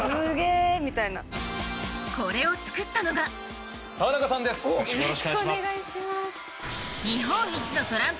これを作ったのがよろしくお願いします。